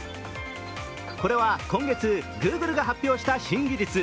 これは今月、グーグルが発表した新技術。